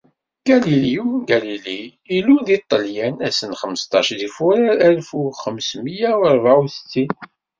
Galileo Galilei ilul di Ṭelyan, ass n xmesṭac di furar alef u xemsemya u rebεa u settin.